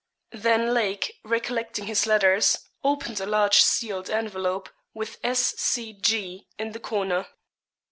Then Lake, recollecting his letters, opened a large sealed envelope, with S.C.G. in the corner.